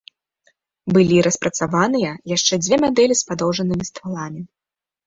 Былі распрацаваныя яшчэ дзве мадэлі з падоўжанымі стваламі.